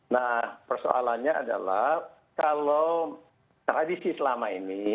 nah persoalannya adalah kalau tradisi selama ini